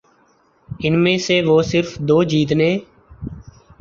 ان میں سے وہ صرف دو جیتنے